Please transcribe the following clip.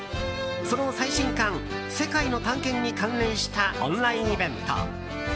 その最新刊「世界の探検」に関連したオンラインイベント。